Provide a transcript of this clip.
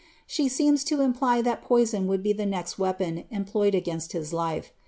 She seems to imply that poison would be the next weapon employed against his life.